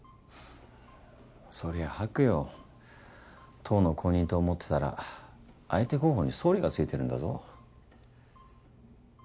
党の公認と思ってたら相手候補に総理がついてるんだぞ？